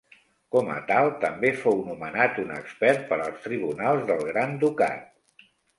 Com a tal, també fou nomenat un expert per als tribunals del Gran Ducat.